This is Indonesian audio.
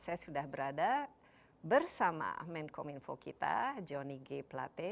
saya sudah berada bersama menkom info kita jonny g plate